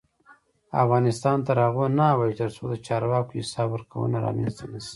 افغانستان تر هغو نه ابادیږي، ترڅو د چارواکو حساب ورکونه رامنځته نشي.